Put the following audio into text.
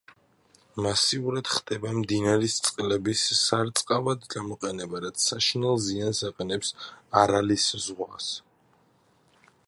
მასიურად ხდება მდინარის წყლების სარწყავად გამოყენება, რაც საშინელ ზიანს აყენებს არალის ზღვას.